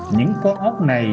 những con ốc này